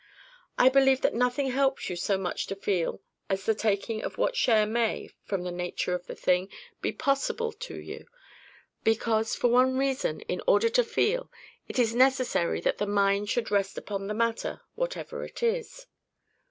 I believed that nothing helps you so much to feel as the taking of what share may, from the nature of the thing, be possible to you; because, for one reason, in order to feel, it is necessary that the mind should rest upon the matter, whatever it is.